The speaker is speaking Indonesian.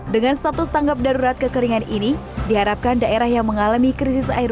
dengan status tanggap darurat kekeringan ini diharapkan daerah yang mengalami krisis air